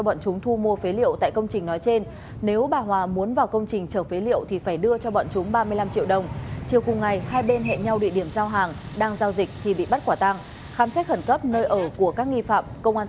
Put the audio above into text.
vật chứng thu giữ tại chiếu bạc gồm bảy mươi tám triệu đồng và một số đồ vật liên quan